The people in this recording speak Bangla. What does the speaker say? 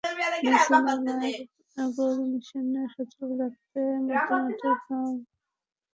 মেসি নামের গোলমেশিন সচল রাখতে মধ্যমাঠের প্রভাব-প্রতিপত্তি নিশ্চিত করার বিকল্প নেই বার্সার।